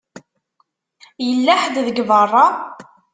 Yella ḥedd deg beṛṛa.